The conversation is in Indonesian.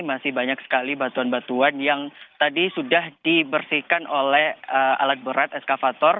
masih banyak sekali batuan batuan yang tadi sudah dibersihkan oleh alat berat eskavator